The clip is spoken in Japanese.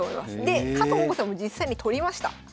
で加藤桃子さんも実際に取りました。